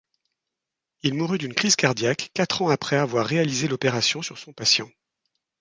Il mourut d'une crise cardiaque, quatre ans après avoir réalisé l'opération sur son patient.